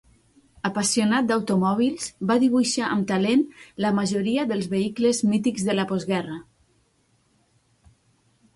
Apassionat d'automòbils, va dibuixar amb talent la majoria dels vehicles mítics de la postguerra.